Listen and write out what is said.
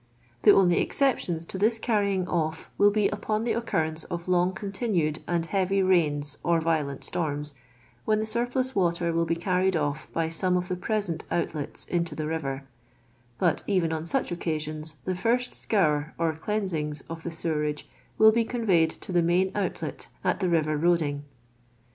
The only exceptions to this carrying olT yi\\\ be upon the occurrence of long continued and )ii>avy rains or violent storms, when the surplus water will be carried olT by some of the present outlets into the river ; but even on such occasions, the first scour or cloinsings of the sewerage will be con veyed to the main outlet at the river Roding.